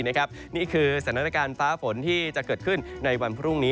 นี่คือสถานการณ์ฟ้าฝนที่จะเกิดขึ้นในวันพรุ่งนี้